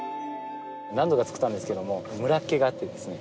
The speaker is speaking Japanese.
何度か作ったんですけどもムラっけがあってですね